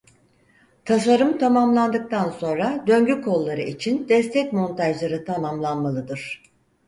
Tasarım tamamlandıktan sonra döngü kolları için destek montajları tamamlanmalıdır.